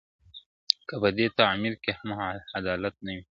که په دې تعمیر کي هم عدالت نه وي -